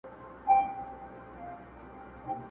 پلمې مه جوړوه جنګ ته مخ به څوک په مړونډ پټ کړي؟!